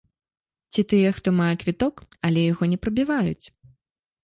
Ці тыя, хто мае квіток, але яго не прабіваюць.